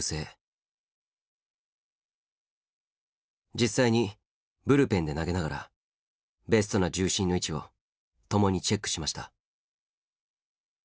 実際にブルペンで投げながらベストな重心の位置を共にチェックしました。